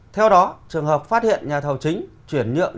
theo đó trường hợp phát hiện nhà thầu chính chuyển nhượng